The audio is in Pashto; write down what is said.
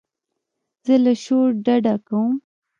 زه له شور ډډه کوم.